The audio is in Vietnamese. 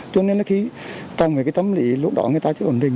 cho nên là khi tâm lý lúc đó người ta chưa ổn định